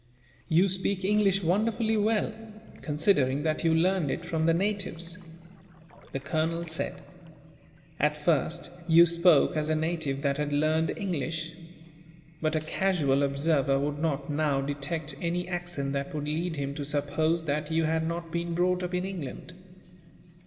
"You speak English wonderfully well, considering that you learned it from the natives," the colonel said. "At first, you spoke as a native that had learned English; but a casual observer would not, now, detect any accent that would lead him to suppose that you had not been brought up in England.